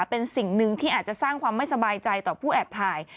เป็นสิ่งหนึ่งที่อาจจะสร้างความไม่สบายใจต่อผู้แอบถ่าย